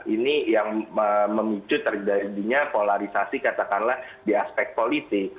ini yang memicu terjadinya polarisasi katakanlah di aspek politik